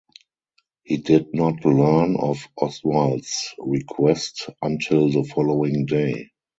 He did not learn of Oswald's request until the following day.